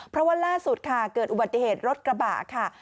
เพราะว่าล่าสุดค่ะเกิดอุบัติเหตุรถกระบะค่ะ